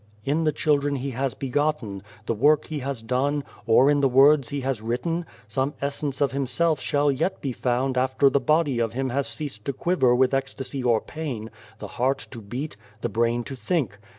In the children he has begotten, the work he has done, or in the words he has written, some essence of himself shall yet be found after the body of him has ceased to quiver with ecstasy or pain, the heart to beat, the brain to think.